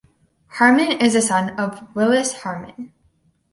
Harman is the son of Willis Harman.